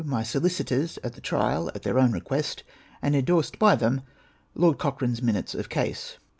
MY SOLICITORS AT THE TRIAL, AT THEIR OWN REQUEST, AND ENDORSED BY THEM, " LORD COCHRANE's MI NUTES OF CASE."